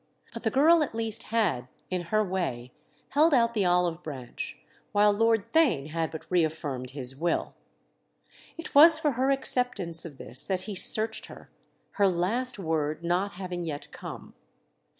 But the girl at least had, in her way, held out the olive branch, while Lord Theign had but reaffirmed his will. It was for her acceptance of this that he searched her, her last word not having yet come.